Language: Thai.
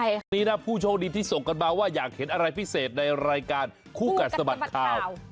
ดีนะผู้โชคดีที่ส่งกันมาว่าอยากเห็นอะไรพิเศษในรายการคู่กัดสะบัดข่าว